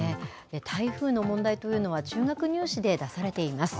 台風の問題というのは、中学入試で出されています。